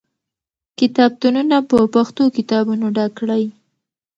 کتابتونونه په پښتو کتابونو ډک کړئ.